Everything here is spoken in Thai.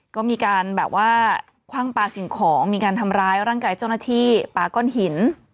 ก็มีการแบบว่าคว่างปลาสิ่งของมีการทำร้ายร่างกายเจ้าหน้าที่ปลาก้อนหิน